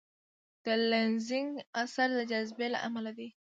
د لینزینګ اثر د جاذبې له امله دی.